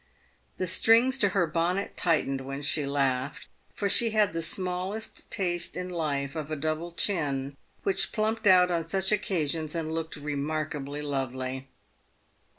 The strings to her bonnet tightened when she laughed, for she had the smallest taste in life of a double chin, which plumped out on such occasions and looked remark ably lovely.